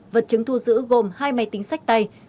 vật chứng thu giữ gồm hai máy tính sách tay